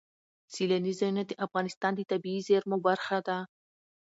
سیلانی ځایونه د افغانستان د طبیعي زیرمو برخه ده.